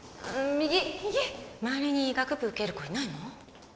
右周りに医学部受ける子いないの？